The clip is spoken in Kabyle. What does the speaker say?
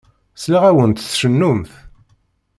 Sliɣ-awent tcennumt.